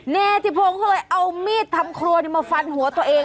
เนธิพงศ์ก็เลยเอามีดทำครัวมาฟันหัวตัวเอง